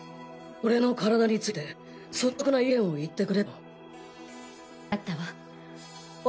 俺の体について率直な意見を言ってくれってばよ。